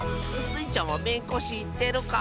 スイちゃんはめんこしってるか？